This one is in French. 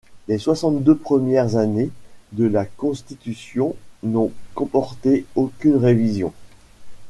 Les soixante-deux premières années de la Constitution n'ont comporté aucune révision.